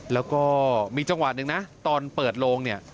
แล้วก็มีจังหวะหนึ่งนะตอนเปิดโลงเนี่ย